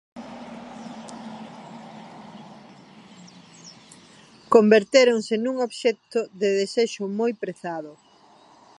Convertéronse nun obxecto de desexo, moi prezado.